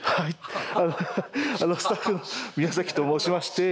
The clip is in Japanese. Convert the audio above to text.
スタッフのミヤザキと申しまして。